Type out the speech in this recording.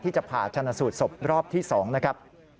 จะผ่าชนะสูตรศพรอบที่๒นะครับ